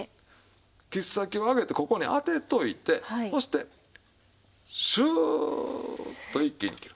切っ先を上げてここに当てておいてそしてシューッと一気に切る。